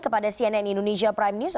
kepada cnn indonesia prime news